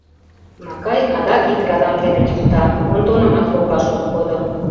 Макай адак ик радам дене йӱкта, Онтонымат коклаш ок кодо.